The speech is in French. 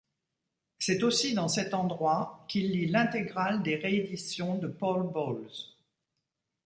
C'est aussi dans cet endroit qu'il lit l'intégrale des rééditions de Paul Bowles.